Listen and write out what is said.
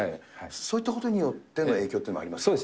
そういったことによっての影響っていうのはあります？